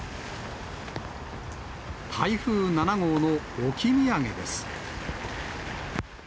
台風７号の置き土産です。